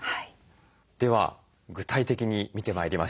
では具体的に見てまいりましょう。